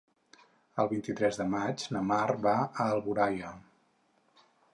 El vint-i-tres de maig na Mar va a Alboraia.